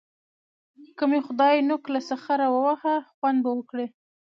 که مې خدای نوک له سخره وواهه؛ خوند به وکړي.